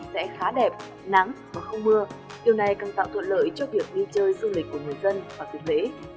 sẽ khá đẹp nắng và không mưa điều này càng tạo thuận lợi cho việc đi chơi du lịch của người dân và tuyệt vế